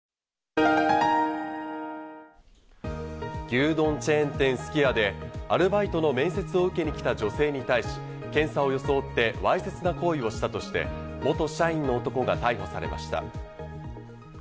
牛丼チェーン店・すき家でアルバイトの面接を受けに来た女性に対し、検査を装って、わいせつな行為をしたとして元社員の男が逮捕されました。